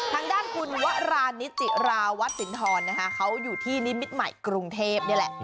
ทางด้านคุณวรานิจิราวัตสินทรนะคะเขาอยู่ที่นิมิตรใหม่กรุงเทพนี่แหละ